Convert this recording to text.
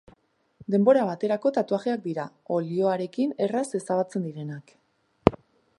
Denbora baterako tatuajeak dira, olioarekin erraz ezabatzen direnak.